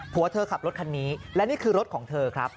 หัวเธอขับรถคันนี้และนี่คือรถของเธอครับ